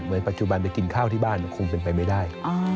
ปัจจุบันไปกินข้าวที่บ้านคงเป็นไปไม่ได้